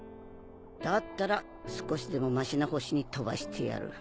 だったら少しでもましな星に飛ばしてやる。